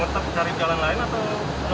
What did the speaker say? mau terus cari jalan lain atau